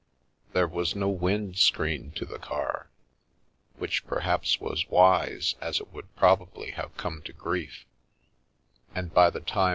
Jttitrt, was no wind screen to the car, which perhaps was ^wise, as it would probably have come to grief, and by the time M.